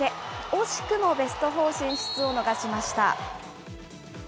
惜しくもベストフォー進出を逃しました。